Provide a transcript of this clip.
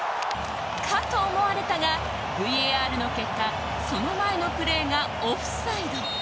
かと思われたがＶＡＲの結果その前のプレーがオフサイド。